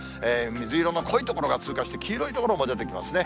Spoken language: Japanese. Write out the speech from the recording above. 水色の濃い所が通過して、黄色い所も出てきますね。